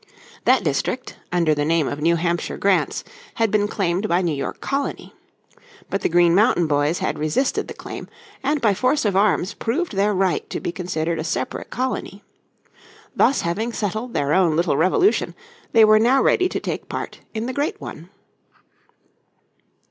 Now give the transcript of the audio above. That district, under the name of New Hampshire Grants, had been claimed by New York colony. But the Green Mountain Boys had resisted the claim, and by force of arms proved their right to be considered a separate colony. Thus having settled their own little revolution they were now ready to take part in the great one.